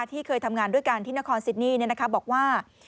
ที่เคยทำงานด้วยกันที่นครซิดนี่บอกว่า